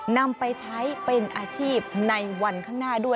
นำไปใช้เป็นอาชีพในวันข้างหน้าด้วย